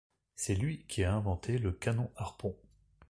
C'est lui qui a inventé le canon-harpon.